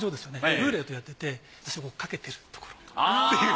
ルーレットやっててそこにかけてるところっていう。